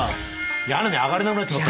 屋根に上がれなくなっちまったんだよ